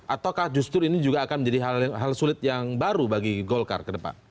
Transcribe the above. ataukah justru ini juga akan menjadi hal sulit yang baru bagi golkar ke depan